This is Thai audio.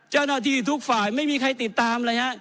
เจ้าหน้าที่ทุกฝ่ายไม่มีใครติดตามเลยฮะ